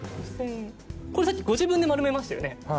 これさっきご自分で丸めましたよね？